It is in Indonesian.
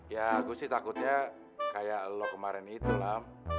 ya gue sih takutnya kayak lo kemarin itu lah